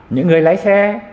những người lái xe